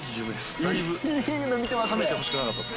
覚めてほしくなかったです。